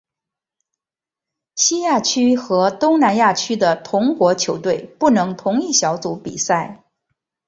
西亚区和东南亚区的同国球队不能同一小组比赛。